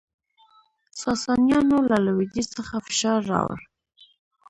ساسانیانو له لویدیځ څخه فشار راوړ